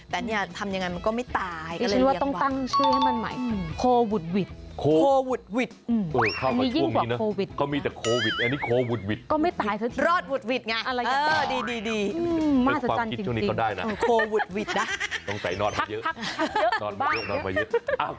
คือความคิดจุดนี้ก็ได้นะต้องใส่นอนมาเยอะ